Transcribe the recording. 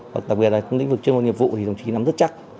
và đặc biệt là trong lĩnh vực chuyên môn nghiệp vụ thì đồng chí nắm rất chắc